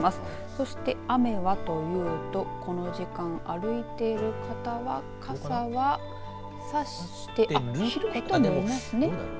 そして、雨はというとこの時間、歩いている方は傘をさしている人もいますね。